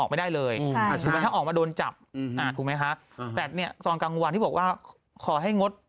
ไม่แต่ทุกคนให้ความร่วมมือนะไม่ให้น่ะลดไม่ลง